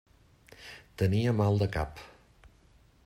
Tenia mal de cap.